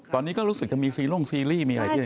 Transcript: ตอนนี้ก็รู้สึกจะมีซีร่งซีรีส์มีอะไรขึ้น